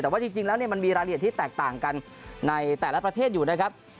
แต่ว่าจริงแล้วมันมีรายละเอียดที่แตกต่างกันในแต่ละประเทศอยู่นะครับ